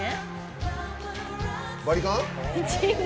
バリカン？